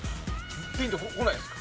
ピンとこないですか？